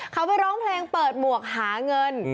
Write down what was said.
เขาไปร้องเพลงเปิดหมวกหาเงิน